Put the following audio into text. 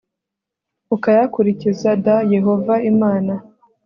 ukayakurikiza d Yehova Imana